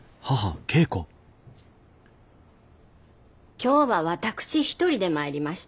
今日は私一人で参りました。